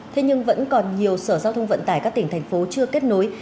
thế nhưng vẫn còn nhiều sở giao thông vận tải các tỉnh thành phố chưa kết nối